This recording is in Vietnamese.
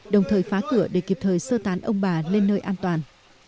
đồng thời phá cửa để kịp thời sơ tán ông bà lên nơi an toàn